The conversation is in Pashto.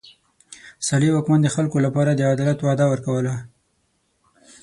صالح واکمن د خلکو لپاره د عدالت وعده ورکوله.